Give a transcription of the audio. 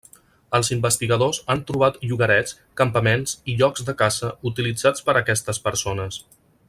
Els investigadors han trobat llogarets, campaments i llocs de caça utilitzats per aquestes persones.